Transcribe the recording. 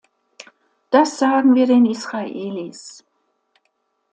Das sagen wir den Israelis.